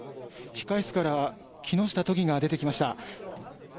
控え室から木下都議が出てきました。